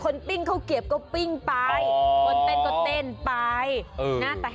แล้วท่านี้แล้ว